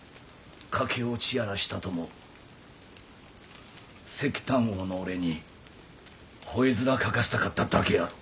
駆け落ちやらしたとも石炭王の俺にほえ面かかせたかっただけやろ？